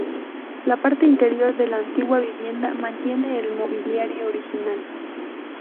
La parte interior de la antigua vivienda mantiene el mobiliario original.